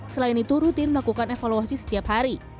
selain itu rutin melakukan evaluasi setiap hari